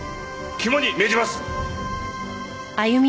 肝に銘じます！